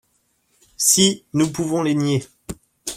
Si, nous pouvons les nier